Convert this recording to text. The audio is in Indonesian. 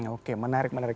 oke menarik menarik